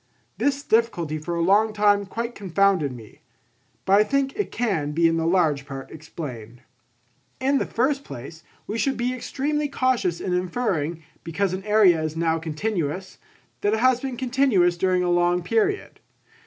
This difficulty for a long time quite confounded me. But I think it can be in large part explained. In the first place we should be extremely cautious in inferring, because an area is now continuous, that it has been continuous during a long period.